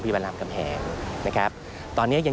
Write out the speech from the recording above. พบหน้าลูกแบบเป็นร่างไร้วิญญาณ